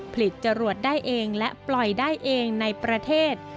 จรวดได้เองและปล่อยได้เองในประเทศ